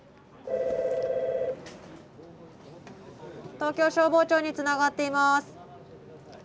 ☎東京消防庁につながっています。